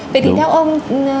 vậy thì theo ông